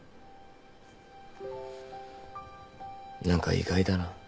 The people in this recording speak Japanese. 何か意外だな。